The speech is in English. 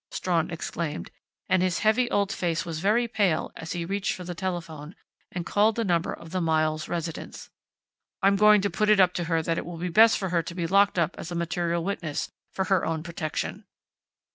Strawn exclaimed, and his heavy old face was very pale as he reached for the telephone, and called the number of the Miles residence. "I'm going to put it up to her that it will be best for her to be locked up as a material witness, for her own protection."